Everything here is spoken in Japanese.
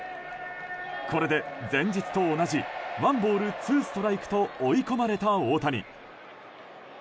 これで前日と同じワンボールツーストライクと追い込まれた大谷。